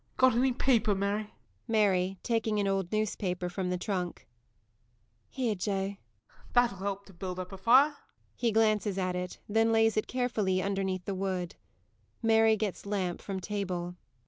_] Got any paper, Mary? MARY. [Taking an old newspaper from the trunk.] Here, Joe. JOE. That will help to build up a fire. [He glances at it, then lays it carefully underneath the wood. MARY _gets lamp from table.